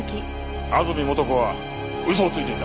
安積素子は嘘をついていた！